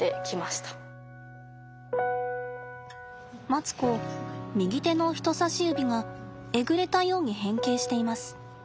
マツコ右手の人さし指がえぐれたように変形しています。